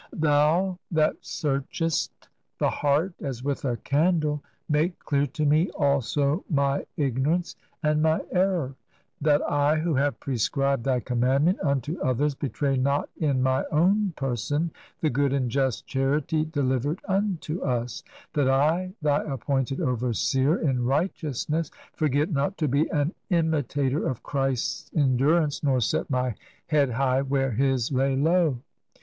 "Thou that searchest the heart as with a candle, make clear to me also my ignorance and my error. That I who have prescribed Thy commandment imto others betray not in my own person the good and just charity delivered unto us ; that I, Thy appointed overseer in righteousness, forget not to be an imitator of Christ's endurance nor set my head high where His lay low.